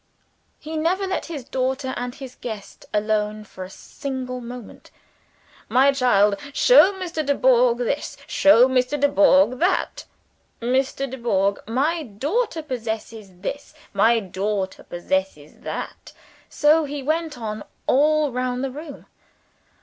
He never let his daughter and his guest alone for a single moment. "My child, show Mr. Dubourg this; show Mr. Dubourg that. Mr. Dubourg, my daughter possesses this; my daughter possesses that." So he went on, all round the room.